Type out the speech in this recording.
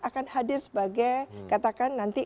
akan hadir sebagai katakan nanti